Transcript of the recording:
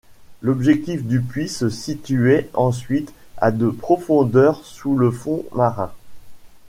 L'objectif du puits se situait ensuite à de profondeur sous le fond marin.